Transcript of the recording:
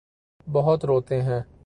بہت روتے ہیں۔